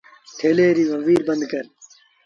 ٿيلي ريٚ زنجيٚر بند ڪر